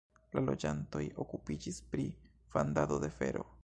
La loĝantoj okupiĝis pri fandado de fero.